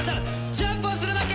ジャンプをするだけ！